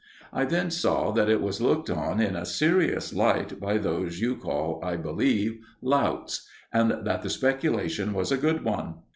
I then saw that it was looked on in a serious light by those you call, I believe, louts, and that the speculation was a good one.